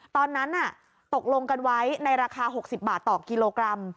ตอนนั้นตกลงกันไว้ในราคา๖๐บาทต่อกิโลกรัม